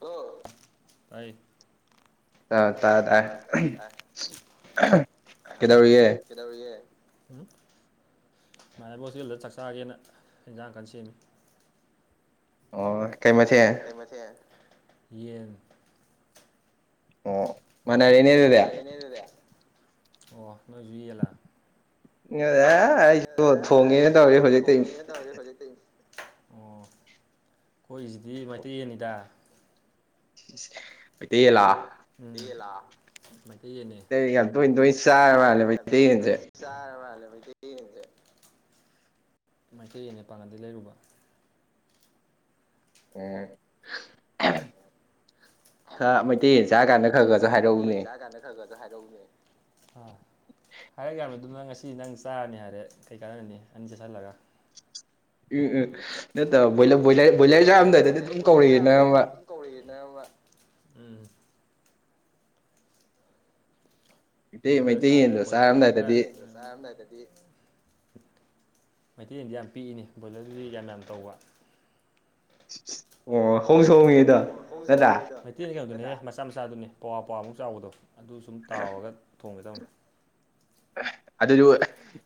ꯑꯣ ꯇꯥꯑꯦ꯫ ꯇꯥ ꯇꯥꯥꯑꯦ-ꯇꯥꯑꯦ [unintelligible] ꯀꯩꯗꯧꯔꯤꯒꯦ꯫ ꯀꯗꯧꯔꯤꯒꯦ ꯎꯝ ꯉꯥꯏꯕ ꯍꯣꯁꯇꯦꯜꯗ ꯆꯥꯛ ꯆꯥꯒꯦꯅ ꯍꯦꯟꯖꯥꯡ ꯀꯟ ꯁꯦꯝꯃꯤ꯫ ꯀꯩ ꯃꯊꯦꯟ꯫ ꯀꯩ ꯃꯊꯦꯟ ꯌꯦꯟ ꯑꯣ ꯃꯥꯟꯔꯦꯅꯦ ꯃꯥꯟꯔꯦꯅꯦ ꯑꯗꯨꯗꯤ ꯑꯣ ꯅꯣꯏꯁꯨ ꯌꯦꯟꯂꯥ [unintelligible] ꯑꯩꯁꯨ ꯊꯣꯡꯉꯦꯅ ꯇꯧꯔꯦ ꯍꯧꯖꯤꯛꯇ [unintelligible] ꯑꯣ ꯑꯩꯈꯣꯏꯁꯤꯗꯤ ꯃꯩꯇꯩ ꯌꯦꯟꯅꯤꯗ [unintelligible] ꯃꯩꯩꯇꯩ ꯌꯦꯟꯅꯦ [unintelligible] ꯌꯥꯝ ꯇꯣꯏ ꯇꯣꯏ ꯆꯥꯔ ꯃꯥꯜꯂꯦ ꯃꯩꯇꯩ ꯌꯦꯟꯁꯦ ꯆꯥ ꯃꯥꯜꯂꯦ ꯃꯩꯇꯩꯌꯦꯟꯁꯦ ꯃꯩꯇꯩ ꯌꯦꯟꯅꯦ ꯄꯥꯟꯒꯜꯗꯩꯩ ꯂꯩꯔꯨꯕ ꯎꯝ [inaudible] ꯈ ꯃꯩꯇꯩ ꯌꯦꯟ ꯆꯥꯔꯀꯥꯟꯗ ꯈꯔ ꯈꯔꯁꯨ ꯍꯥꯏꯔꯛꯎꯅꯦ ꯈ ꯈ ꯍꯥꯏꯔꯛꯎꯅꯦ ꯍꯥꯏꯔ ꯌꯥ ꯑꯗꯨ ꯅꯪ ꯉꯁꯤ ꯅꯪ ꯆꯥꯔꯅꯤ ꯍꯥꯏꯔꯦ ꯀꯩ ꯀꯥꯟꯅꯅꯤ ꯑꯅꯤ ꯆꯠꯁꯤꯜꯂꯒ ꯎꯝ ꯎꯝ ꯅꯠꯇꯕ ꯕꯣꯏꯂꯔ ꯕꯣꯏꯂꯔ ꯕꯣꯏꯂꯔ ꯆꯥꯔꯝꯗꯥꯏꯗꯗꯤ ꯑꯗꯨꯝ ꯀꯧꯔꯛꯑꯦ ꯅꯪ ꯑꯃ ꯀꯧꯔꯑꯦꯅꯕ ꯎꯝ ꯕꯣꯏꯂ꯭ꯔ [inaudible] ꯕꯣꯏꯂ꯭ꯔꯗꯨꯅ ꯈꯔ ꯆꯥꯔꯝꯗꯥꯏꯗꯗꯤ ꯃꯩꯇꯩꯌꯦꯟꯗꯤ ꯌꯥꯝ ꯄꯤꯛꯏꯅꯤ ꯕꯣꯏꯂꯔꯗꯨꯗꯤ ꯌꯥꯝ ꯌꯥꯝ ꯇꯧꯕ ꯑꯣ ꯍꯣꯡꯁꯨ ꯍꯣꯡꯉꯤꯗ [unintelligible] ꯗꯨꯅꯦꯍꯦ ꯃꯆꯥ ꯃꯆꯥꯗꯨꯅꯦ ꯄꯋꯥ ꯄꯋꯥꯃꯨꯛ ꯆꯥꯎꯕꯗꯣ ꯑꯗꯨ ꯁꯨꯝ ꯇꯥꯎꯔꯒ ꯊꯣꯡꯒꯦꯗꯧꯅꯦ ꯑꯗꯨꯗꯨ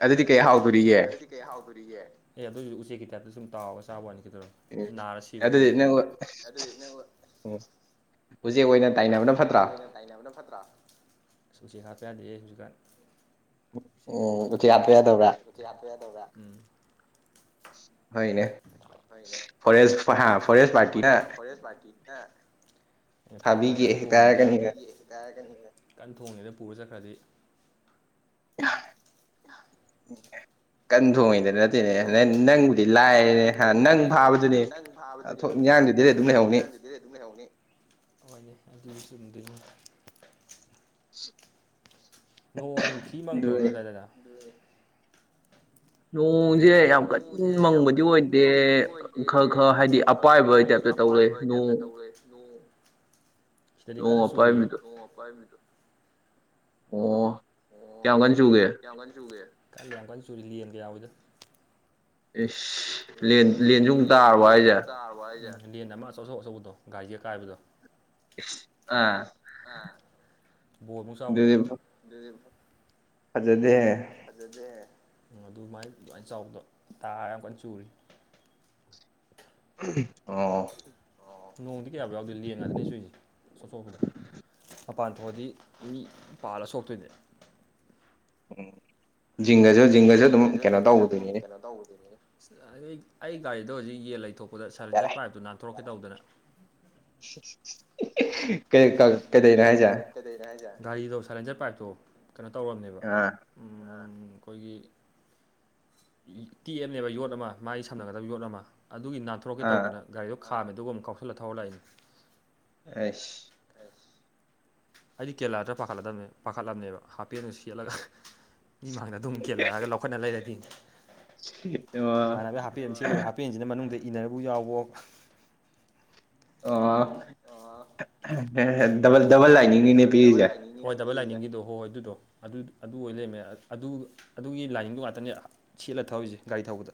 ꯑꯗꯨꯗꯤ ꯀꯩ ꯍꯥꯎꯗꯣꯔꯤꯒꯦ ꯍꯥꯎꯗꯣꯔꯤꯒꯦ ꯑꯦ ꯑꯗꯨ ꯑꯣꯏꯁꯨ ꯎꯆꯦꯛꯀꯤ ꯇꯥꯏꯞꯇ ꯁꯨꯝ ꯇꯥꯎꯕꯒ ꯆꯥꯕ ꯋꯥꯅꯤ ꯀꯩꯗꯧꯔꯒꯦ ꯎ ꯑꯗꯨꯗꯤ [unintelligible] ꯎꯝ ꯎꯆꯦꯛ ꯑꯣꯏꯅ ꯇꯥꯏꯅꯕꯅ ꯐꯠꯇ꯭ꯔꯥ ꯇꯥꯏꯅꯕꯅ ꯐꯠꯇ꯭ꯔꯥ ꯎꯆꯦꯛ ꯍꯥꯠꯄ ꯌꯥꯗꯦꯍꯦ ꯍꯧꯖꯤꯛꯀꯥꯟ ꯑꯣ ꯎꯆꯦꯛ ꯍꯥꯠꯄ ꯌꯥꯗꯕ꯭ꯔꯥ ꯎꯆꯦꯛ ꯍꯥꯠꯄ ꯌꯥꯗꯕꯔꯥ ꯎꯝ ꯍꯣꯏꯅꯦ ꯐꯣꯁ ꯐꯣꯔꯦꯁ ꯄꯥꯇꯤ ꯐꯣꯔꯦꯁ ꯄꯥꯥꯔꯇꯤꯅ [unintelligible] ꯐꯥꯕꯂ ꯀꯥꯟ ꯊꯣꯡꯉꯦꯗꯅꯕꯤꯒ ꯀꯥꯏꯔꯒꯅꯤ ꯀꯟ ꯊꯣꯡꯉꯤꯉꯩꯗ ꯄꯨꯔ ꯆꯠꯈ꯭ꯔꯗꯤ [inaudible] ꯀꯟ ꯊꯣꯡꯉꯤꯗ ꯑꯗꯨ ꯅꯠꯇꯦꯅꯦ ꯅ ꯅꯪꯕꯨꯗꯤ ꯂꯥꯏꯔꯦꯅꯦ ꯅꯪ ꯐꯥꯕꯗꯨꯅꯦ ꯏꯟꯌꯥꯥꯡꯗꯨꯗꯤ ꯑꯗꯨꯝ ꯂꯩꯍꯧꯅꯤ ꯑꯗꯨꯗꯤ ꯑꯗꯨꯝ ꯂꯩꯍꯧꯅꯤ ꯍꯣꯏꯅꯦ ꯑꯗꯨꯁꯨ ꯆꯨꯝꯗꯣꯏꯅꯤꯅꯦ ꯁ ꯅꯣꯡ ꯊꯤ ꯃꯪꯗ꯭ꯔꯣ ꯅꯣꯏ ꯑꯗꯥꯏꯗꯗ ꯅꯣꯡꯁꯦ ꯌꯥꯝ ꯀꯟ ꯃꯪꯕꯗꯤ ꯑꯣꯏꯗꯦ ꯈꯔ ꯈꯔ ꯍꯥꯏꯗꯤ ꯑꯄꯥꯏꯕꯒꯤ ꯇꯥꯏꯞꯇ ꯇꯧ ꯂꯩꯔꯦ ꯅꯣꯡ ꯁꯤꯗꯗꯤ ꯀꯟꯅ ꯆꯨꯔꯤꯌꯦ ꯅꯣꯡ ꯑꯄꯥꯏꯕꯤꯗꯣ ꯑꯣ ꯑꯣ ꯀꯌꯥꯝ ꯀꯟ ꯆꯨꯒꯦ ꯌꯥꯝ ꯀꯟꯅ ꯆꯨꯔꯤ ꯂꯦꯟ ꯀꯌꯥꯎꯋꯤꯗ ꯏꯁ ꯏꯁ ꯂꯦꯟꯁꯨ ꯑꯃꯨꯛ ꯇꯥꯔꯕ ꯍꯥꯏꯁꯦ ꯂꯦꯟ ꯑꯃ ꯑꯆꯧꯆꯧ ꯑꯆꯧꯕꯗꯣ ꯒꯥꯔꯤꯒ ꯀꯥꯏꯕꯗꯣ ꯑ ꯕꯣꯜꯃꯨꯛ ꯆꯥꯎꯕꯗꯣ ꯐꯖꯗꯦꯍꯦ ꯐꯖꯗꯦ ꯑꯗꯨꯃꯥꯏꯅ ꯑꯗꯨꯃꯥꯏꯅ ꯆꯥꯎꯕꯗꯣ ꯇꯥꯔ ꯌꯥꯝ ꯀꯟꯅ ꯆꯨꯔꯤ ꯑꯣ ꯅꯣꯡꯗꯤ ꯀꯌꯥꯕ ꯌꯥꯎꯗꯦ ꯂꯦꯟ ꯉꯥꯛꯇꯥꯅꯦ ꯁꯨꯏꯁꯦ ꯆꯣ ꯆꯣꯄꯗꯣ ꯃꯄꯥꯟ ꯊꯣꯛꯑꯗꯤ ꯃꯤ ꯄꯥꯜꯂ ꯁꯣꯛꯇꯣꯏꯅꯦ ꯎꯝ ꯖꯤꯡꯒꯁꯨ ꯖꯤꯡꯒꯁꯨ ꯑꯗꯨꯝ ꯀꯩꯅꯣ ꯇꯧꯕꯗꯨꯅꯤꯗ ꯑꯩ ꯒꯥꯔꯤꯗꯣ ꯍꯧꯖꯤꯛ ꯌꯦꯟ ꯂꯩꯊꯣꯛꯄꯗ ꯁꯔꯂꯦꯖꯔ ꯄꯥꯏꯞꯇꯣ ꯅꯥꯟꯊꯣꯔꯛꯀꯦ ꯇꯧꯗꯅ [unintelligible] ꯀꯩꯗꯩꯅꯣ ꯍꯥꯏꯁꯦ ꯀꯩꯗꯩꯅꯣ ꯍꯥꯏꯁꯦ ꯒꯥꯔꯤꯗꯣ ꯁꯥꯏꯂꯦꯟꯖꯔ ꯄꯥꯏꯞꯇꯣ ꯀꯩꯅꯣ ꯇꯧꯔꯕꯅꯦꯕ ꯎꯝ ꯑꯩꯈꯣꯏꯒꯤ ꯇ ꯇꯦꯛꯑꯝꯅꯦꯕ ꯌꯣꯠ ꯑꯃ ꯃꯥꯥꯏ ꯁꯝꯅꯒꯗꯕ ꯌꯣꯠ ꯑꯃ ꯑꯗꯨꯒꯤ ꯅꯥꯟꯊꯣꯔꯛꯀꯦ ꯇꯧꯗꯅ ꯒꯥꯔꯤꯗꯣ ꯈꯥꯝꯃꯦ ꯗꯨꯒ ꯃꯨꯛ ꯀꯥꯎꯁꯜꯂ ꯊꯧꯔꯥ ꯂꯥꯛꯏꯅꯦ ꯑꯩꯁ ꯑꯩꯗꯤ ꯀꯦꯂꯥꯗꯔ ꯄꯥꯈꯂꯗꯝꯅꯦ ꯄꯥꯈꯠꯂꯝꯅꯦꯕ ꯍꯥꯞꯄꯦꯟꯒ ꯁꯦꯠꯂꯒ ꯃꯤ ꯃꯥꯡꯗ ꯑꯗꯨꯝ ꯀꯦꯜꯂꯛꯑꯒ ꯂꯧꯈꯠꯅ ꯂꯩꯔꯗꯤ [unintelligible] ꯄꯦꯟꯁꯤꯅ ꯃꯅꯨꯡꯗ ꯏꯟꯅ꯭ꯔꯕꯨ ꯌꯥꯎꯕ ꯑꯣ ꯑꯣ ꯗꯕꯜ ꯗꯕꯜ ꯂꯥꯏꯅꯤꯡꯅꯤꯅꯦ ꯄꯤꯔꯤꯁꯦ ꯍꯣꯏ ꯗꯕꯜ ꯂꯥꯏꯅꯤꯡꯒꯤꯗꯣ ꯍꯣꯏ ꯑꯗꯨꯗꯣ ꯑꯗꯨ ꯑꯗꯨ ꯑꯣꯏ ꯂꯩꯔꯝꯃꯦ ꯑꯗꯨ ꯑꯗꯨꯒꯤ ꯂꯥꯏꯅꯤꯡꯗꯣ ꯉꯥꯛꯇꯅꯦ ꯁꯦꯠꯂ ꯊꯧꯔꯤꯁꯦ ꯒꯥꯔꯤ ꯊꯧꯕꯗ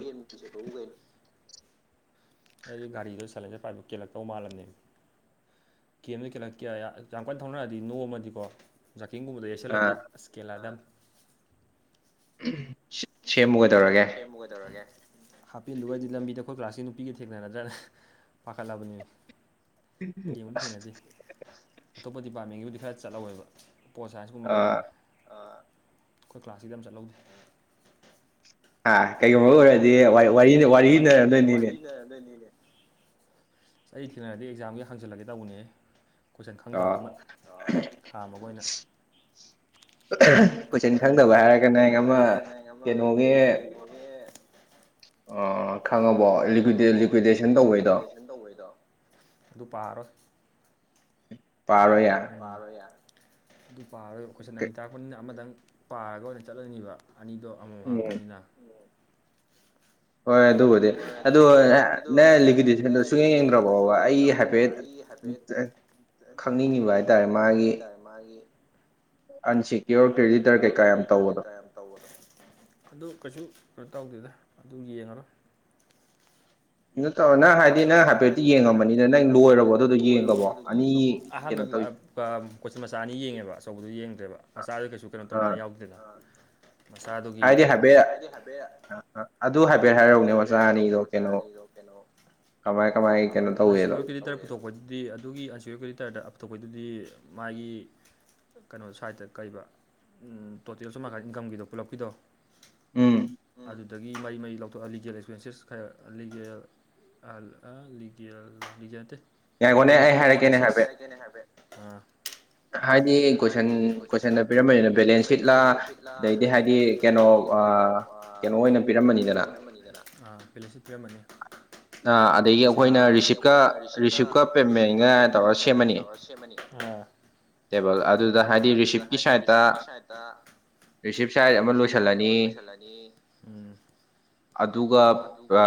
[unintelligible] ꯄꯤꯁꯦꯠ ꯄꯥꯕꯨ ꯀꯩꯅꯣ ꯑꯩꯒꯤ ꯒꯥꯔꯤꯗꯣ ꯁꯦꯂꯦꯟꯖꯔ ꯄꯥꯞꯇꯣ ꯀꯦꯜꯂꯛꯇꯧ ꯃꯥꯜꯂꯝꯅꯦꯕ ꯀꯦꯟꯕꯗꯤ ꯀꯦꯜꯂ ꯀꯌꯥ ꯌꯥꯝ ꯀꯟ ꯊꯧꯅꯔꯗꯤ ꯅꯣꯝꯃꯗꯤꯀꯣ ꯖꯥꯛꯀꯤꯡꯒꯨꯝꯕꯗ ꯌꯩꯁꯜꯂꯗꯤ ꯑꯁ ꯀꯦꯜꯂꯗꯝꯅꯦ ꯁꯤ ꯁꯦꯝꯃꯨꯒꯗꯧꯔꯒꯦ ꯍꯥꯞꯄꯦꯟꯗꯨꯒ ꯑꯩꯗꯤ ꯂꯝꯕꯤꯗ ꯑꯈꯣꯏ ꯀ꯭ꯂꯥꯁꯀꯤ ꯅꯨꯄꯤꯒ ꯊꯦꯡꯅꯗ꯭ꯔꯅ ꯐꯥꯈꯠꯂꯕꯅꯦ ꯊꯦꯡꯕꯗꯤ ꯊꯦꯡꯅꯗꯦ ꯑꯇꯣꯞꯄ ꯗꯤꯄꯥꯔꯠꯃꯦꯟꯒꯤꯕꯨꯗꯤ ꯈꯔ ꯆꯠꯍꯧꯋꯦꯕ ꯄꯣꯜ ꯁꯥꯏꯟꯁꯀꯨꯝꯕ ꯀꯩꯒꯨꯝꯕ ꯑꯥ ꯑꯈꯣꯏ ꯀ꯭ꯂꯥꯁꯀꯤꯗꯤ ꯑꯝ ꯆꯠꯍꯧꯗꯦ ꯑ ꯀꯩꯒꯨꯝꯕ ꯑꯣꯏꯔꯗꯤ ꯋꯥ ꯋꯥꯔꯤꯅꯔꯝꯗꯣꯏꯅꯤꯅꯦ ꯗꯅꯅꯤꯅꯦ ꯑꯩ ꯊꯦꯡꯅꯔꯗꯤ ꯑꯦꯛꯖꯥꯝꯒꯤ ꯍꯪꯖꯜꯂꯒꯦ ꯇꯧꯕꯅꯦꯍꯦ ꯀꯣꯏꯁꯟ ꯈꯪꯗꯕ ꯑꯃ ꯈꯥꯝꯃꯒ ꯑꯣꯏꯅ ꯀꯣꯏꯁꯟ ꯈꯪꯗꯕ ꯍꯥꯏꯔꯒꯅ ꯑꯩ ꯑꯃ ꯀꯩꯅꯣꯒꯤ ꯑꯥ ꯈꯪꯉꯕꯣ ꯂꯤꯀ꯭ꯋꯤꯗꯦ ꯂꯤꯀ꯭ꯋꯤꯗꯦꯁꯟ ꯇꯧꯕꯩꯗꯣ ꯑꯗꯨ ꯄꯥꯔꯣꯏ ꯄꯥꯔꯔꯣꯏꯌꯦ ꯄꯥꯔꯣꯏꯌꯦ ꯑꯗꯨ ꯄꯥꯔꯣꯏ ꯀꯣꯏꯁꯟ ꯑꯅꯤ ꯇꯥꯔꯛꯄꯅꯤꯅ ꯑꯃꯗꯪ ꯄꯥꯔꯒ ꯑꯣꯏꯅ ꯆꯠꯂꯅꯤꯕ ꯑꯅꯤꯗꯣ ꯑꯃꯃꯝ ꯍꯪꯉꯛꯀꯅꯤꯅ ꯍꯣꯏ ꯑꯗꯨꯕꯨꯗꯤ ꯑꯗꯣ ꯅ ꯂꯤꯀ꯭ꯋꯤꯗꯦꯁꯟꯗꯣ ꯁꯨꯡꯌꯦꯡ ꯌꯦꯡꯗ꯭ꯔꯕꯣꯕ ꯑꯩ ꯍꯥꯏꯐꯦꯠ ꯑ ꯈꯪꯅꯤꯡꯉꯤꯕ ꯍꯥꯏꯇꯥꯔꯦ ꯃꯥꯒꯤ ꯑꯟꯁꯤꯀ꯭ꯌꯤꯌꯣꯔ ꯀ꯭ꯔꯦꯗꯤꯇꯔ ꯀꯩꯀꯥ ꯌꯥꯝ ꯇꯧꯕꯗꯣ ꯇꯧꯕꯗꯣ ꯑꯗꯨ ꯀꯩꯁꯨ ꯀꯩꯅꯣ ꯇꯧꯗꯦꯗ ꯑꯗꯨ ꯌꯦꯡꯉꯔꯣꯏ ꯇꯧꯔꯣ ꯅꯪ ꯍꯥꯏꯗꯤ ꯅꯪ ꯍꯥꯏꯐꯦꯠꯇ ꯌꯦꯡꯉꯕꯅꯤꯅ ꯅꯪ ꯂꯣꯏꯔꯕꯣ ꯑꯗꯨꯗꯨ ꯌꯦꯡꯉꯃꯕꯣ ꯑꯍꯥꯟꯕ ꯑꯥ- ꯄꯥ ꯀꯣꯆꯟ ꯃꯆꯥ ꯑꯅꯤ ꯌꯦꯡꯉꯦꯕ ꯑꯆꯧꯕꯗꯨ ꯌꯦꯡꯗ꯭ꯔꯦꯕ ꯃꯆꯥꯗꯨ ꯀꯩꯁꯨ ꯀꯩꯅꯣ ꯇꯧꯅꯤꯡꯉꯥꯏ ꯌꯥꯎꯗꯦꯗ ꯃꯁꯥꯗꯨꯒꯤ ꯍꯥꯏꯗꯤ ꯍꯥꯏꯐꯦꯠ ꯑꯗꯨ ꯍꯥꯏꯐꯦꯠ ꯍꯥꯏꯔꯎꯅꯦ ꯃꯆꯥ ꯑꯅꯤꯗꯣ꯫ ꯀꯩꯅꯣ ꯀꯃꯥꯏ ꯁꯦꯀ꯭ꯌꯨꯔꯤꯇꯤꯗꯔ ꯄꯨꯊꯣꯛꯄꯗꯤ꯫ ꯑꯗꯨꯗꯤ ꯑꯗꯨꯒꯤ ꯑꯟꯁꯋ ꯀꯔꯤꯇꯥꯔꯗ ꯑꯞꯊꯣꯛꯄꯩꯗꯨꯗꯤ ꯃꯥꯒꯤ ꯀꯩꯅꯣ ꯁꯥꯏꯠꯇ ꯀꯩꯕ ꯇꯣꯇꯦꯜꯁꯨ ꯃꯈ ꯏꯟꯀꯝꯒꯤꯗꯣ ꯄꯨꯂꯞꯀꯤꯗꯣ ꯎꯝ꯫ ꯑꯗꯨꯗꯒꯤ ꯃꯩ ꯃꯩ ꯂꯧꯊꯣꯛꯑ ꯂꯤꯒꯦꯜ ꯑꯦꯛꯁꯄꯦꯟꯁꯦꯁ ꯈꯔ ꯂꯤꯒꯦꯜ ꯑ ꯑꯥ ꯂꯤꯒꯦꯜ ꯂꯤꯒꯦꯜ ꯅꯠꯇꯦ ꯂꯤꯀꯤꯜꯇꯦꯇ꯭ꯔꯤ ꯏꯟꯄ꯭ꯔ ꯉꯥꯏꯈꯣꯏꯅꯦ ꯑꯩꯍꯥꯏꯌꯦꯠ ꯍꯥꯏꯔꯛꯀꯦꯅꯦ ꯍꯥꯏꯐꯦꯠ ꯍꯥꯏꯗꯤ ꯀꯣꯏꯁꯟ ꯀꯣꯏꯁꯟꯗ ꯄꯤꯔꯝꯝꯕꯅꯤꯅ ꯕꯦꯂꯦꯟꯁ ꯁꯤꯠꯂꯥꯅ ꯀ ꯍꯥꯏꯗꯤ ꯀꯩꯅꯣ ꯀꯩꯅꯣ ꯑꯣꯏꯅ ꯄꯤꯔꯝꯕꯅꯤꯗꯅ ꯐꯂꯣꯁꯤꯠ ꯄꯤꯔꯝꯕꯅꯤ ꯑꯗꯒꯤ ꯑꯩꯈꯣꯏꯅ ꯔꯤꯁꯤꯞꯀ ꯔꯤꯁꯤꯞꯀ ꯄꯦꯃꯦꯟꯒ ꯇꯧꯔꯒ ꯁꯦꯝꯃꯅꯤ ꯑꯣ ꯑꯗꯨꯗ ꯍꯥꯏꯗꯤ ꯔꯤꯁꯤꯞꯀꯤ ꯁꯥꯏꯠꯇ ꯔꯤꯁꯤꯞ ꯁꯥꯏ ꯑꯃ ꯂꯣꯏꯁꯤꯜꯂꯅꯤ ꯎꯝ ꯑꯗꯨꯒ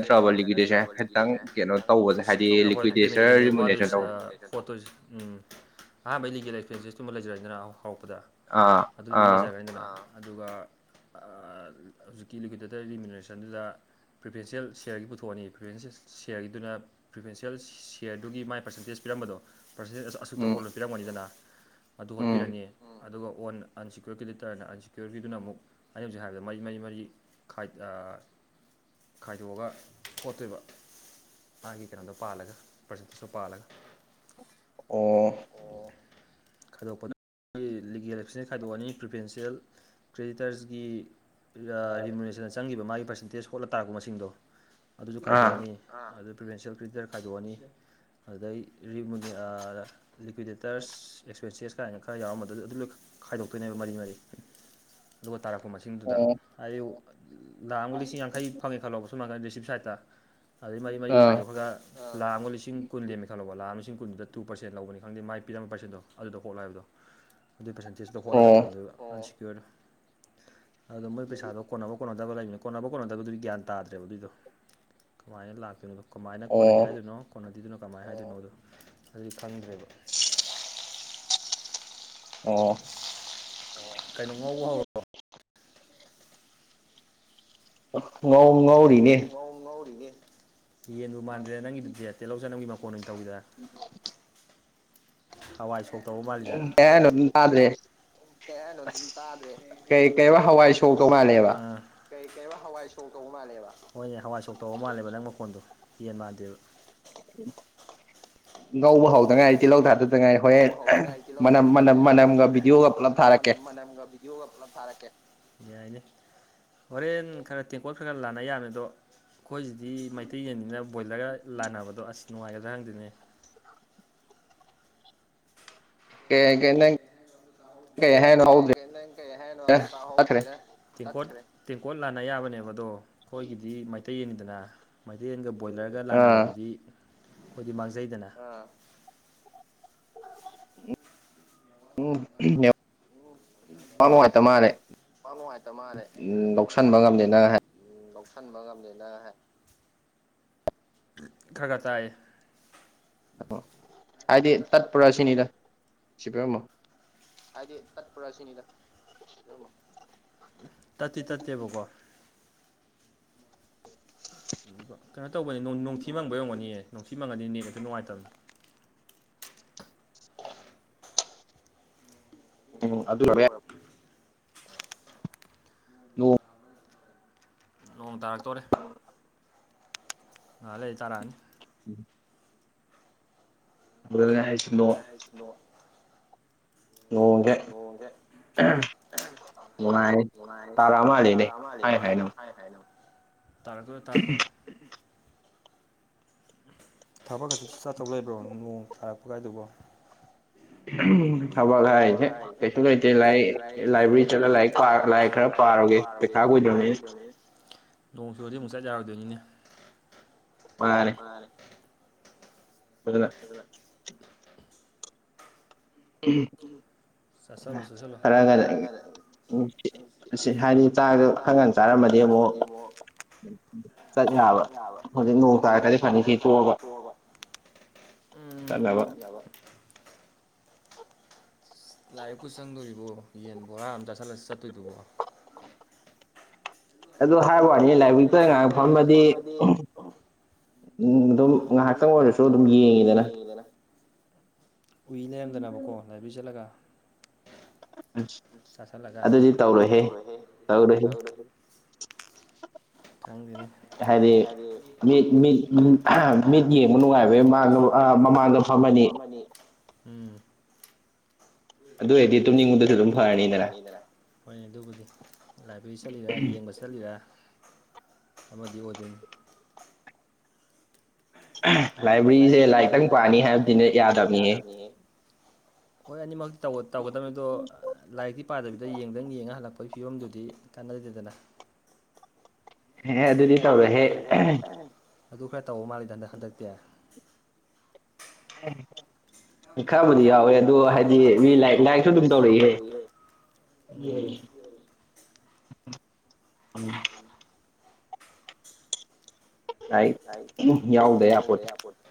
ꯄꯦꯃꯦꯟꯗ ꯅꯠꯇ꯭ꯔꯕꯂꯤꯒꯤꯗꯁꯦ ꯍꯥꯏꯈꯤꯇꯪ ꯑꯩꯈꯣꯏ ꯄꯦꯃꯦꯟꯗꯅꯦꯕ ꯋꯥꯗꯣꯏꯁꯤ ꯈꯣꯠꯇꯣꯏꯁꯤ ꯎꯝ ꯑꯍꯥꯟꯕ ꯏ ꯂꯤꯒꯦꯜ ꯑꯦꯛꯁꯄꯔꯦꯟꯁꯦꯁꯇꯨꯃ ꯂꯩꯖꯔꯦꯗꯅ ꯍꯧꯔꯛꯄꯗ ꯑꯗꯨꯗꯤ ꯑꯗꯨꯝ ꯂꯩꯖꯔꯦꯗꯅ ꯑꯗꯨꯒ ꯍꯧꯖꯤꯛꯀꯤ ꯂꯤꯨꯀꯨꯇꯦꯇꯔ ꯏꯂꯤꯃꯤꯅꯔꯦꯁꯟꯗꯨꯗ ꯄ꯭ꯔꯤꯐꯔꯦꯟꯁꯤꯌꯦꯜ ꯁꯤꯌꯔꯒꯤ ꯄꯨꯊꯣꯛꯑꯅꯤ ꯄ꯭ꯔꯤꯐꯔꯦꯟꯁꯦꯜ ꯁꯤꯌꯔꯒꯤꯗꯨꯅ ꯄ꯭ꯔꯤꯐꯦꯟꯁꯤꯌꯦꯦꯜ ꯁꯤꯌꯔꯗꯨꯒꯤ ꯃꯥ ꯄꯥꯔꯁꯦꯟꯇꯦꯖ ꯄꯤꯔꯝꯕꯗꯣ ꯄꯔꯦꯟꯇ ꯑꯁꯨꯛꯇ ꯍꯣꯜꯂ ꯄꯔꯝꯒꯅꯤꯗꯅ ꯃ ꯍꯣꯠꯄꯤꯔꯅꯤ ꯑꯗꯨꯒ ꯑꯣꯟ ꯑꯟꯁꯤꯦꯀ꯭ꯌꯨꯔꯤꯇꯤꯗꯤ ꯂꯩꯇꯥꯔꯅ ꯑꯟꯁꯤꯦꯀ꯭ꯌꯨꯔꯤꯤꯗꯨꯅ ꯑꯃꯨꯛ ꯑꯩꯅ ꯍꯧꯖꯤꯛ ꯍꯥꯏꯕꯗ ꯃꯔꯤ ꯃꯩ ꯃꯔꯤ ꯈꯥꯏ ꯑꯥ ꯈꯥꯏꯗꯣꯛꯑꯒ ꯈꯣꯠꯇꯣꯏꯕ꯫ ꯃꯥꯒꯤ ꯀꯥꯟꯗꯣ ꯄꯜꯒ ꯄꯔꯁꯦꯟꯇꯦꯜꯇꯣ ꯄꯜꯂꯒ꯫ ꯑꯣ꯫ ꯈꯥꯏꯗꯣꯛꯄꯗ ꯑꯩꯏ ꯂꯤꯒꯦꯜ ꯑꯦꯛꯁꯟ ꯈꯥꯏꯗꯣꯛꯑꯅꯤ ꯄ꯭ꯔꯤꯚꯦꯟꯁꯤꯌꯦꯜ ꯀ꯭ꯔꯦꯗꯤꯇꯔꯁꯒꯤ ꯔꯤꯃꯨꯅꯦꯁꯟꯗ ꯆꯪꯈꯤꯕ ꯃꯥꯒꯤ ꯄꯥꯔꯁꯦꯟꯇꯦꯖ ꯍꯣꯠꯂ ꯇꯥꯔꯀꯣ ꯃꯁꯤꯡꯗꯣ ꯑꯗꯨꯁꯨ ꯈꯥꯏꯗꯣꯛꯑꯅꯤ ꯑꯗꯨ ꯄ꯭ꯔꯤꯚꯦꯟꯁꯤꯌꯦꯜ ꯀ꯭ꯔꯤꯇꯔ ꯈꯥꯏꯗꯣꯛꯑꯅꯤ ꯑꯗꯨꯗꯩ ꯔꯤ ꯂꯤꯀ꯭ꯋꯤꯗꯦꯠ ꯇꯔꯁ ꯑꯦꯛꯁꯄꯦꯟꯁꯦꯁ ꯀꯥꯏꯅ ꯈꯔ ꯌꯥꯎꯔꯝꯕꯗ ꯑꯗꯨ ꯂꯣꯏ ꯈꯥꯏꯗꯣꯛꯇꯣꯏꯅꯦꯕ ꯃꯔꯤ ꯃꯔꯤ ꯑꯗꯨꯒ ꯇꯥꯔꯛꯄ ꯃꯁꯤꯡ ꯁꯤꯡꯗꯨꯗ ꯍꯥꯏꯌꯨ ꯂꯥꯛꯑ ꯑꯃꯨꯒ ꯂꯤꯁꯤꯡ ꯌꯥꯡꯈꯩ ꯐꯪꯉꯦ ꯈꯜꯂꯣꯕ ꯁꯨꯃꯥꯏꯗ ꯔꯤꯁꯤꯞ ꯁꯥꯏꯠꯇ ꯑꯗꯩ ꯃꯔꯤ ꯃꯔꯤꯗꯨ ꯈꯥꯏꯗꯣꯛꯈ꯭ꯔꯒ ꯂꯥ ꯑꯃ ꯂꯤꯁꯤꯡ ꯀꯨꯟ ꯂꯦꯝꯃꯦ ꯈꯜꯂꯧꯕ ꯂꯥꯛ ꯑꯃ ꯂꯤ ꯀꯨꯟꯗꯨꯗ ꯇꯨ ꯄꯔꯁꯦꯟ ꯂꯧꯕꯅꯤ ꯈꯪꯗꯦ ꯃ ꯄꯤꯔꯝꯕ ꯄꯔꯁꯦꯟꯣ ꯑꯗꯨꯣ ꯀꯣꯛꯂꯣꯏ ꯍꯥꯏꯕꯗꯣ [unintelligible] ꯑꯗꯨꯏ ꯄꯥꯔꯁꯦꯟꯇꯦꯖꯇꯣ ꯍꯣꯠꯂꯒ ꯊꯝꯗꯣꯏꯕ ꯑꯟꯁꯤꯀ꯭ꯌꯣꯔ ꯑꯗꯣ ꯃꯣꯏ ꯄꯩꯁꯥꯗꯣ ꯀꯣꯟꯅꯕ ꯀꯣꯟꯅ ꯀꯗꯕ ꯂꯩꯕꯅꯤ ꯀꯣꯟꯅꯕ ꯀꯣꯟꯅꯗꯕꯗꯨꯒꯤ ꯒ꯭ꯌꯥꯟ ꯇꯥꯗ꯭ꯔꯦꯕ ꯑꯗꯨꯏꯗꯣ ꯀꯃꯥꯏꯅ ꯂꯥꯛꯈꯤꯕꯣꯏꯅꯣꯗꯣ ꯀꯃꯥꯏꯅ ꯀꯣꯟꯅꯩ ꯍꯥꯏꯗꯣꯏꯅꯣ ꯀꯣꯟꯅꯗꯦꯗꯨꯅ ꯀꯃꯥꯏꯅ ꯍꯥꯏꯗꯣꯏꯅꯣꯗꯣ ꯑꯗꯨꯗꯤ ꯈꯪꯗ꯭ꯔꯦꯕ ꯑꯣ ꯑꯣ ꯀꯩꯅꯣ ꯉꯧꯕ ꯍꯧꯔꯣ ꯨꯋꯥꯎ ꯍꯧꯔꯤꯅꯦ ꯉꯔꯤꯒꯦ ꯌꯦꯟꯗꯨ ꯃꯥꯟꯗ꯭ꯔꯦ ꯅꯪꯒꯤꯗꯨ ꯗꯦ ꯇꯤꯍꯧ ꯆ ꯅꯪꯒꯤ ꯃꯈꯀꯣꯟꯩꯅ ꯇꯧꯏꯗ ꯎꯝ ꯍꯋꯥꯏ ꯁꯣꯛ ꯇꯧꯕ ꯃꯥꯜꯂꯤꯗ ꯀꯩ ꯍꯥꯏꯅꯣ ꯎꯟ ꯇꯥ꯫ ꯀꯩ ꯍꯥꯏꯅꯣ ꯇꯥꯗꯔ꯭ꯦ [unintelligible] ꯑꯥ ꯀꯩ ꯀꯩꯋꯥ ꯍꯋꯥꯏ ꯁꯣꯛ ꯇꯧꯕ ꯃꯥꯜꯂꯦꯕ ꯍꯣꯏꯅꯦ ꯍꯋꯥꯏ ꯁꯣꯛ ꯇꯧꯕ ꯃꯥꯜꯂꯦꯕ ꯅꯪ ꯃꯈꯣꯟꯗꯣ ꯌꯦꯟ ꯃꯥꯟꯗꯦꯕ꯫ ꯉꯧꯕ ꯍꯧꯗꯉꯥꯏ ꯇꯤꯜꯍꯧ ꯊꯥꯗ ꯉꯥꯏ ꯍꯣꯔꯦꯟ ꯃꯅꯝ ꯃꯅꯝ ꯃꯅꯝꯒ ꯚꯤꯗꯤꯌꯣꯒ ꯄꯨꯂꯞ ꯊꯥꯔꯛꯀꯦ꯫ ꯌꯣꯒ ꯄꯨꯂꯞ ꯊꯥꯔꯛꯀꯦ ꯌꯥꯏꯅꯦ ꯍꯣꯔꯦꯟ ꯈꯔ ꯇꯦꯡꯀꯣꯠ ꯈꯔ ꯈꯔ ꯂꯥꯟꯅ ꯌꯥꯕꯅꯤ ꯗꯣ꯫ ꯈꯣꯏꯖꯤꯗꯤ ꯃꯩꯇꯩ ꯌꯦꯟꯅꯤꯅ ꯕꯣꯏꯂꯔꯒ ꯂꯥꯟꯅꯕꯗꯣ ꯑꯁ ꯅꯨꯡꯉꯥꯏꯒꯗ꯭ꯔꯥ ꯈꯪꯗꯦꯅꯦ꯫ ꯀꯦ ꯍꯥꯏꯒꯦ ꯅꯡ ꯫ ꯀꯦ ꯍꯥꯏꯒꯦ ꯅꯪ ꯀꯩ ꯍꯥꯏꯅꯣ ꯑꯝꯇ ꯇꯥꯍꯧꯗꯔ꯭ꯦꯗꯥ ꯫ ꯇꯦꯡꯀꯣꯠ ꯇꯦꯡꯀꯣꯠ ꯂꯥꯟꯅ ꯌꯥꯕꯅꯦꯕ ꯑꯗꯣ ꯑꯩꯈꯣꯏꯒꯤꯗꯤ ꯃꯩꯇꯩ ꯌꯦꯟꯅꯤꯗꯅ꯫ ꯃꯩꯇꯩꯌꯦꯟꯒ ꯕꯣꯏꯂꯔꯒ ꯂꯥꯟꯅꯕꯗꯨꯗꯤ ꯈꯣꯏꯗꯤ ꯃꯥꯡꯖꯩꯗꯅ꯫ ꯎꯝ ꯌꯞ ꯋꯥꯛ ꯅꯨꯡꯉꯥꯏꯇꯕ ꯃꯥꯜꯂꯦ ꯂꯧꯁꯟꯕ ꯉꯝꯗꯦ ꯅꯪ ꯍꯥꯏ ꯎ ꯂꯧꯁꯟꯕ ꯉꯝꯗꯦ ꯅꯪ ꯍꯥꯏ ꯈꯔ ꯈꯔ ꯇꯥꯏꯌꯦ꯫ ꯍꯥꯏꯗꯤ ꯇꯠꯄ꯭ꯔꯥ ꯁꯤꯅꯤꯗ ꯁꯤ ꯄꯤꯔꯝꯃꯣ꯫ ꯍꯥꯏꯗꯤ ꯇꯠꯄ꯭ꯔꯥ ꯁꯤꯅꯤꯗꯥ ꯁꯤ ꯄꯤꯔꯝꯃꯣ꯫ ꯇꯠꯇꯤ ꯇꯠꯇꯦꯕꯣꯀꯣ꯫ ꯑꯗꯨꯒ ꯀꯩꯅꯣ ꯇꯧꯕꯩ ꯅꯣꯡ ꯅꯣꯡꯊꯤ ꯃꯪꯕꯩ ꯑꯣꯏꯌꯔꯝꯒꯅꯤꯌꯦ ꯅꯣꯡꯊꯤ ꯃꯪꯉꯗꯤ ꯅꯦꯠ ꯍꯦꯛꯇ ꯅꯨꯡꯉꯥꯏꯇꯕꯅꯤ꯫ [inaudible] ꯑꯗꯨꯖꯨ ꯑꯣꯏꯔꯞ ꯅꯣ ꯅꯣꯡ ꯇꯥꯔꯛꯇꯣꯔꯦ꯫ ꯉꯍꯥꯛ ꯂꯩꯔꯗꯤ ꯇꯥꯔꯛꯑꯅꯤ ꯫ ꯎꯝ ꯑꯗꯨꯅꯦ ꯍꯥꯏ ꯑꯗꯨꯅꯦ ꯍꯥꯏꯖ ꯅꯣꯡ ꯅꯣꯡꯖꯦ ꯑꯍꯦꯝ ꯅꯨꯡꯉꯥꯏ ꯇꯔꯛꯑ ꯃꯥꯜꯂꯦꯅꯦ ꯍꯥꯏ ꯍꯥꯏꯅ ꯇꯔꯛꯇꯣꯔꯦ ꯇꯥꯔꯛꯇꯣꯔꯦ ꯊꯕꯛꯀꯁꯨ ꯆꯠꯇꯧ ꯂꯩꯕ꯭ꯔꯣ ꯅꯣꯡ ꯇꯥꯔꯛꯄ ꯀꯥꯏꯗꯨꯕꯣ ꯫ ꯊꯕꯛ ꯍꯥꯏꯖꯦ ꯀꯩꯁꯨ ꯂꯩꯇꯦ ꯂꯥꯏ ꯂꯥꯏꯕ꯭ꯔꯦꯔꯤ ꯆꯠꯂ ꯂꯥꯏꯛ ꯄꯥꯔ ꯂꯥꯏꯔꯤꯛ ꯈꯔ ꯄꯥꯔꯨꯒꯦ ꯄꯩꯈꯥ ꯀꯨꯏꯗꯔ꯭ꯝꯅꯤꯅ ꯫ ꯅꯣꯡ ꯆꯨꯔꯗꯤ ꯑꯃꯨꯛ ꯆꯠ ꯌꯥꯔꯣꯏꯗꯣꯏꯅꯤꯅꯦ꯫ ꯃꯥꯅꯤ ꯃꯥꯅꯤ ꯑꯗꯨꯅ ꯑꯗꯨꯅ [inaudible] ꯆꯥꯁꯜꯂꯣ ꯆꯥꯁꯜꯂꯣ ꯈꯔꯒ ꯂ [unintelligible] ꯈꯔ ꯉꯟ ꯆꯥꯔꯝꯃꯗꯤ ꯑꯃꯨꯛ ꯆꯠ ꯌꯥꯕ [unintelligible] ꯎꯝ ꯆꯠꯅꯕ ꯫ ꯂꯥꯏꯔꯤꯛꯄꯨ ꯆꯪꯗꯣꯔꯤꯕꯣ ꯌꯦꯟ ꯕꯣꯔꯥ ꯑꯃ ꯆꯥꯁꯜꯂꯥ ꯆꯠꯇꯣꯏꯗꯨꯕꯣ ꯑꯗꯨ ꯍꯥꯏꯕ ꯋꯥꯅꯤ ꯂꯥꯏ [unintelligible] ꯂꯥꯏꯕꯛꯇ ꯉꯥꯏꯍꯥꯛ ꯐꯝꯃꯗꯤ ꯎꯝ ꯑꯗꯨꯝ ꯉꯥꯏꯍꯥꯛꯇꯪ ꯑꯣꯏꯔꯁꯨ ꯑꯗꯨꯝ ꯌꯦꯡꯉꯤꯗꯅ ꯎꯨꯏ ꯂꯩꯔꯝꯗꯅꯕꯀꯣ ꯂꯥꯏꯕ꯭ꯔꯤ ꯆꯠꯂꯒ ꯆꯥꯁꯜꯂꯒ ꯑꯗꯨꯗꯤ ꯇꯧꯔꯣꯏꯍꯦ ꯇꯧꯔꯣꯏꯍꯦ ꯈꯪꯗꯦꯅꯦ ꯍꯥꯏꯗꯤ ꯃꯤꯠ ꯃꯤꯠ ꯃꯤꯠ ꯌꯦꯡꯕ ꯅꯨꯉꯥꯏꯕꯩ ꯃꯥꯖꯨ ꯑꯥ ꯃꯃꯥꯡꯗ ꯐꯝꯃ ꯃꯤ ꯎꯝ ꯑꯗꯨ ꯑꯣꯏꯗꯤ ꯇꯨꯝꯅꯤꯡꯕꯖꯨ ꯑꯗꯨꯝ ꯐꯔꯅꯤꯗꯅ ꯍꯣꯏꯅꯦ ꯗꯨꯕꯨꯗꯤ ꯂꯥꯏꯕꯦꯔꯤ ꯆꯠꯂꯤꯔꯥ ꯌꯦꯡꯕ ꯆꯠꯂꯤꯔꯥ ꯑꯃꯗꯤ ꯑꯣꯏꯗꯣꯏꯅꯤ ꯂꯥꯏꯕ꯭ꯔꯤꯖꯦ ꯂꯥꯏꯀꯇꯪ ꯄꯥꯅꯤ ꯍꯥꯏꯕꯗꯤꯅꯦ ꯌꯥꯗꯕꯅꯤꯍꯦ ꯍꯣꯏ ꯑꯅꯤꯃꯛ ꯇꯧꯑꯣ ꯇꯧꯒꯗꯝꯅꯦ ꯗꯣ ꯂꯥꯏꯔꯤꯛꯇꯤ ꯄꯥꯗꯕꯤꯗ ꯌꯦꯡꯗꯪ ꯌꯦꯡꯉ ꯍꯜꯂꯛꯄꯩ ꯐꯤꯕꯝꯗꯨꯗꯤ ꯀꯥꯟꯅꯗꯦꯗꯅ ꯑꯦꯍꯦ ꯑꯗꯨꯗꯤ ꯇꯧꯔꯣꯏꯍꯦ ꯑꯗꯨ ꯈꯔ ꯇꯧꯕ ꯃꯥꯜꯂꯤꯗꯅ ꯍꯟꯗꯛꯇꯤ ꯈꯔꯕꯨꯗꯤ ꯌꯥꯎꯋꯦ ꯑꯗꯣ ꯍꯥꯏꯗꯤ ꯃꯤ ꯂꯥꯏꯛ ꯂꯥꯏꯛꯁꯨ ꯑꯗꯨꯝ ꯇꯧꯔꯛꯏꯍꯦ [unintelligible] [unintelligible] ꯂꯥꯏꯌꯤꯛ [unintelligible] ꯌꯥꯎꯗ ꯌꯥꯄꯣꯠꯇꯦ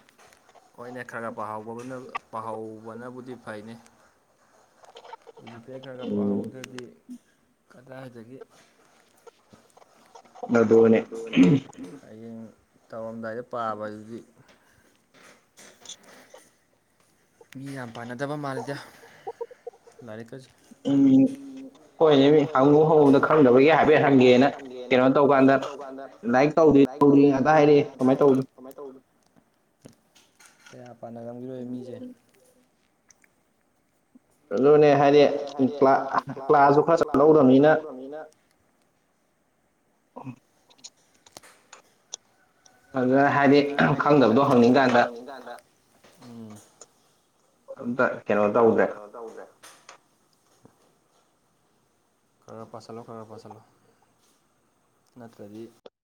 ꯍꯣꯏꯅꯦ ꯈꯔ ꯒ ꯄꯥꯍꯧꯕꯅ ꯄꯥꯍꯧꯕꯅꯕꯨꯗꯤ ꯐꯩꯅꯦ ꯍꯨꯖꯤꯛꯇꯩ ꯈꯔ ꯒꯔ ꯄꯥꯍꯧꯗ꯭ꯔꯗꯤ ꯀꯗꯥꯏꯗꯒꯤ ꯑꯗꯨꯅꯦ ꯍꯌꯦꯡ ꯇꯧꯔꯝꯗꯥꯏꯗ ꯄꯥꯕꯗꯨꯗꯤ ꯃꯤ ꯌꯥꯝ ꯄꯥꯟꯅꯗꯕ ꯃꯥꯜꯂꯦꯗ ꯂꯥꯏꯔꯤꯛꯀꯖꯤ ꯇꯨꯝꯃꯤ ꯀꯣꯏꯅꯦꯃꯤ ꯍꯪꯉꯨ ꯍꯪꯉꯨꯕꯗ ꯈꯪꯗꯕꯒꯤ ꯍꯥꯏꯐꯦꯠ ꯍꯪꯒꯦꯅ ꯀꯩꯅꯣ ꯇꯧꯀꯥꯟꯗ ꯂꯥꯏꯛ ꯇꯧꯗꯦ ꯇꯧꯗꯦ ꯉꯥꯛꯇ ꯍꯥꯏꯔꯦꯑꯦ ꯀꯃꯥꯏ ꯇꯧꯕꯅꯣ ꯀꯃꯥꯏ ꯇꯧꯕꯅꯣ ꯀꯌꯥ ꯄꯥꯅꯔꯝꯒꯤꯔꯣꯏ ꯃꯤꯖꯦ ꯑꯗꯨꯅꯦ ꯍꯥꯏꯗꯤ ꯀ꯭ꯂꯥ ꯀ꯭ꯂꯥꯖꯨ ꯈ ꯆꯠꯂꯧꯗꯝꯅꯤꯅ [unintelligible] ꯐꯖꯅ ꯍꯥꯏꯗꯤ ꯈꯪꯗꯕꯗꯣ ꯍꯪꯉꯤꯀꯥꯟꯗ ꯎꯝ ꯑꯝꯇ ꯑꯝꯇ ꯀꯩꯅꯣ ꯇꯧꯗ꯭ꯔꯦ ꯈꯒ ꯄꯥꯁꯜꯂꯣ ꯈꯒ ꯄꯥꯁꯜꯂꯣ ꯅꯠꯇ꯭ꯔꯗꯤ